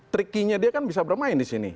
tricky nya dia kan bisa bermain di sini